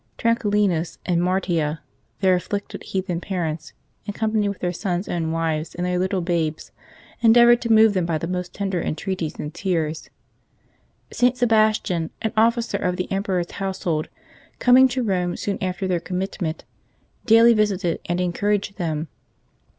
Tranquillinus and Martia, their afflicted heathen parents, in company with their sons' own wives and their little babes, endeavored to move them by the most tender en treaties and tears. St. Sebastian, an officer of the em peror's household, coming to Eome soon after their commitment, daily visited and encouraged them.